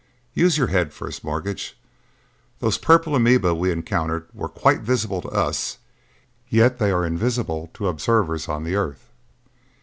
"Use your head, First Mortgage. Those purple amoeba we encountered were quite visible to us, yet they are invisible to observers on the earth."